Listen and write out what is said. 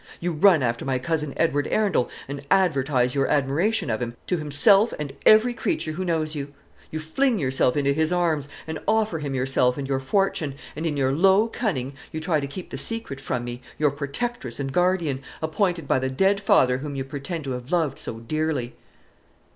You run after my cousin Edward Arundel, and advertise your admiration of him, to himself, and every creature who knows you. You fling yourself into his arms, and offer him yourself and your fortune: and in your low cunning you try to keep the secret from me, your protectress and guardian, appointed by the dead father whom you pretend to have loved so dearly."